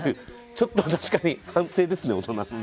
ちょっと確かに反省ですね。